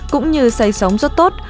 cũng như say sóng rất tốt